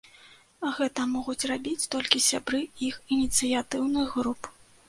Гэта могуць рабіць толькі сябры іх ініцыятыўных груп.